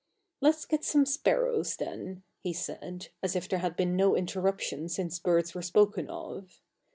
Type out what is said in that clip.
"Let's get some sparrows then," he said, as if there had been no interruption since birds were spoken of.